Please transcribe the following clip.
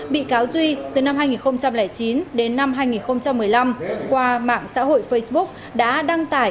bị cáo duy từ năm hai nghìn chín đến năm hai nghìn một mươi năm qua mạng xã hội facebook đã đăng tải